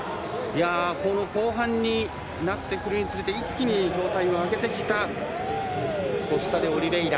後半になってくるにつれて一気に状態を上げてきたコスタデオリベイラ。